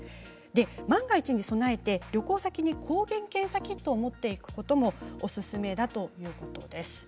万が一に備えて旅行先に抗原検査キットを持っていくこともおすすめだということです。